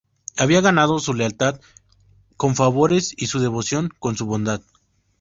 Había ganado su lealtad con favores y su devoción con su bondad.